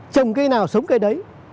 trồng cây nào sống cây đấy